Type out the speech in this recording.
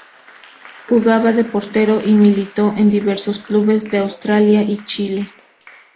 Jugaba de portero y militó en diversos clubes de Australia y Chile.